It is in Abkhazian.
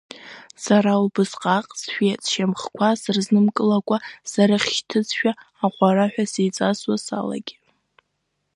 Сара убысҟак сшәеит сшьамхқәа срызнымкылакәа сарыхьҭшьызшәа аҟәараҳәа сеиҵасуа салагеит.